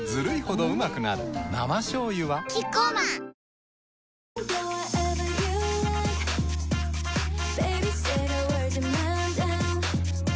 生しょうゆはキッコーマンあ゛ーーー！